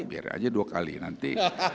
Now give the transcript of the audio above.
biar aja dua kali nanti